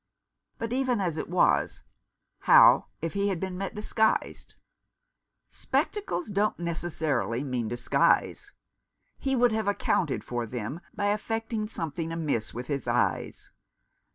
" But even as it was — how if he had been met, disguised ?" "Spectacles don't necessarily mean disguise. He would have accounted for them by affecting something amiss with his eyes.